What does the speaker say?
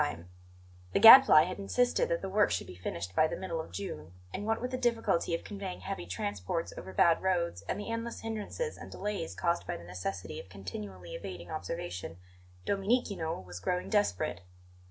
The Gadfly had insisted that the work should be finished by the middle of June; and what with the difficulty of conveying heavy transports over bad roads, and the endless hindrances and delays caused by the necessity of continually evading observation, Domenichino was growing desperate.